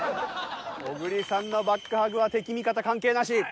小栗さんのバックハグは敵味方関係なし。